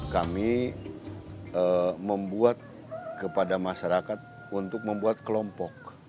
kami membuat kepada masyarakat untuk membuat kelompok